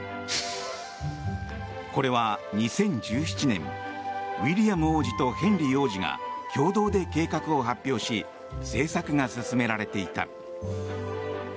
これは２０１７年ウィリアム王子とヘンリー王子が共同で計画を発表し制作が進められていた。